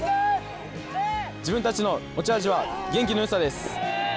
自分たちの持ち味は元気のよさです。